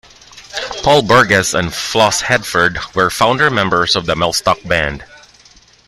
Paul Burgess and Flos Headford were founder-members of the Mellstock Band.